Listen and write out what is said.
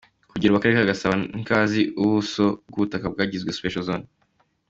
Kugeza ubu, Akarere ka Gasabo ntikazi ubuso bw’ubutaka bwagizwe ‘Special zone.